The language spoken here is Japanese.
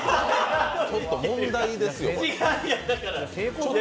ちょっと問題ですよ、これ。